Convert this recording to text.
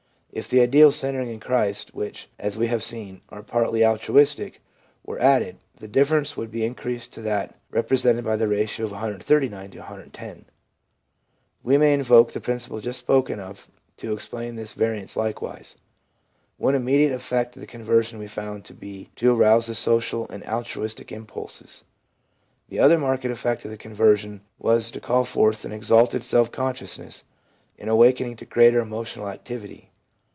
If the ideals centering in Christ, which, as we have seen, are partly altruistic, were added, the difference would be increased to that represented by the ratio of 139 to no. We may invoke the principle just spoken of to explain this variance likewise. One immediate effect of con version we found to be to arouse the social and altruistic impulses. The other marked effect of conversion was to call forth an exalted self consciousness, an awaken ing to greater emotional activity.